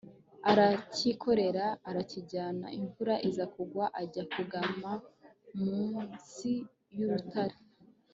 arakikorera, arakijyana. imvura iza kugwa, ajya kugama munsi y'urutare